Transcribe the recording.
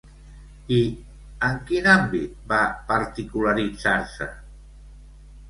I en quin àmbit va particularitzar-se?